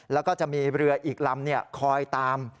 แล้วก็จะมีเรืออีกลำคอยตาม